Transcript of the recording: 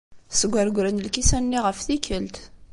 Sgergren lkisan-nsen ɣef tikkelt.